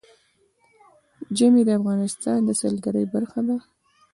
ژمی د افغانستان د سیلګرۍ برخه ده.